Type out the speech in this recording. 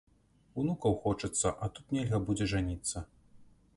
Унукаў хочацца, а тут нельга будзе жаніцца.